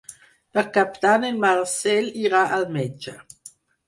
Per Cap d'Any en Marcel irà al metge.